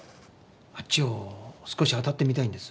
あっちを少し当たってみたいんです。